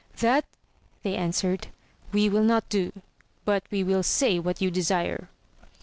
That, they answered, we will not do, but we will say what you desire.